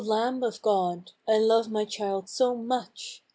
LAMB of God, I love my child so much!